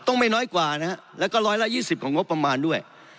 ไม่น้อยกว่านะฮะแล้วก็ร้อยละ๒๐ของงบประมาณด้วย